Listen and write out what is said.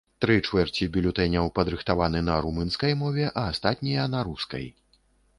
Тры чвэрці бюлетэняў падрыхтаваны на румынскай мове, а астатнія на рускай.